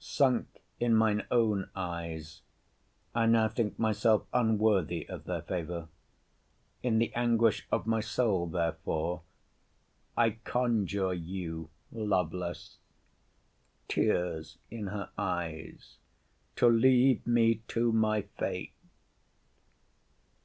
Sunk in mine own eyes, I now think myself unworthy of their favour. In the anguish of my soul, therefore, I conjure you, Lovelace, [tears in her eyes,] to leave me to my fate.